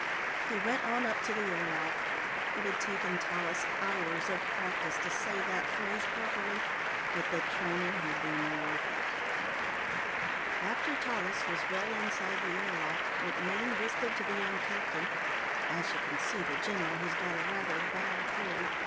He went on up to the air lock. It had taken Tallis hours of practice to say that phrase properly, but the training had been worth it. After Tallis was well inside the air lock, MacMaine whispered to the young captain, "As you can see, the general has got a rather bad cold.